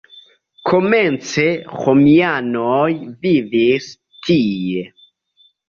Komence romianoj vivis tie.